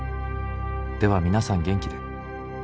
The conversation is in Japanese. では皆さん元気で。